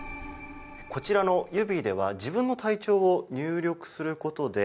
こちらのユビーでは自分の体調を入力することで